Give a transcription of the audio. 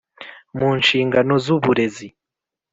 mu nshingano zuburezi